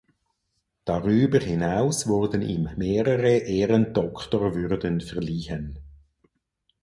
Darüber hinaus wurden ihm mehrere Ehrendoktorwürden verliehen.